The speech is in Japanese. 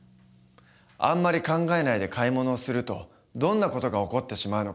あんまり考えないで買い物をするとどんな事が起こってしまうのか。